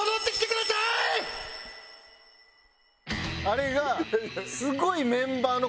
あれが。